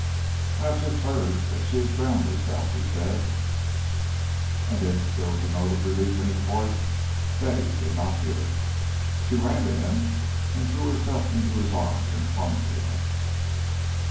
"I have just heard that she has drowned herself," he said; and if there was a note of relief in his voice, Betty did not hear it. She ran to him and threw herself into his arms and clung to him.